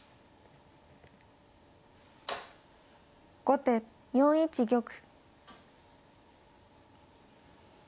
後手４一玉。